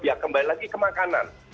ya kembali lagi ke makanan